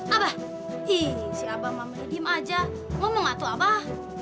abah iih si abah mah melidim aja mau mau ngatu abah